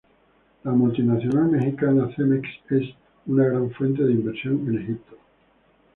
La multinacional mexicana Cemex es una gran fuente de inversión en Egipto.